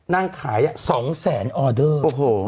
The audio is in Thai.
นางขาย๒แสนออเดอร์